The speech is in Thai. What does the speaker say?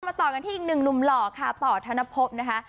ต่อกันที่อีกหนึ่งหนุ่มหล่อค่ะต่อธนภพนะคะ